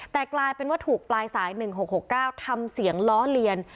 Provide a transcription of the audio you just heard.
แต่กลายเป็นว่าถูกปลายสายหนึ่งหกหกเก้าทำเสียงล้อเลียน